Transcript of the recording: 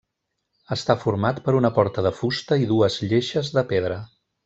Està format per una porta de fusta i dues lleixes de pedra.